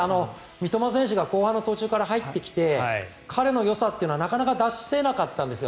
三笘選手が後半の途中から入ってきて彼のよさというのはなかなか出せなかったんですよ。